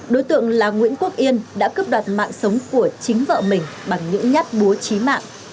đối tượng là nguyễn quốc yên đã cướp đoạt mạng sống của chính vợ mình bằng những nhát búa trí mạng